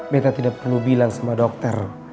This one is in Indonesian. beta tidak perlu bilang sama dokter